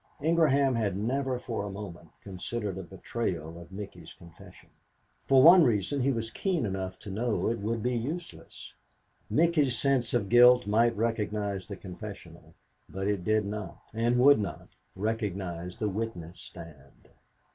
Ingraham had never for a moment considered a betrayal of Micky's confession. For one reason, he was keen enough to know it would be useless. Micky's sense of guilt might recognize the confessional, but it did not, and would not, recognize the witness stand.